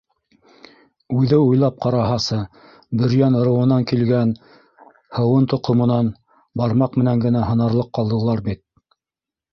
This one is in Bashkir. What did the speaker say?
Үҙе уйлап ҡараһасы, Бөрйән ырыуынан килгән Һыуын тоҡомонан бармаҡ менән генә һанарлыҡ ҡалдылар бит.